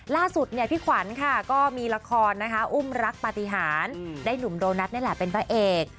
ล่าสุดพี่ขวัญค่ะก็มีละครนะคะอุ้มรักปฏิหารได้หนุ่มโดนัทนี่แหละเป็นพระเอก